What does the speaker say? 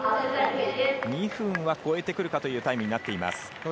２分は超えてくるかというタイムになっています。